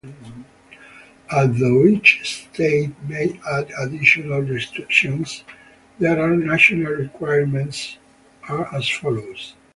Although each state may add additional restrictions, there are national requirements are as follows.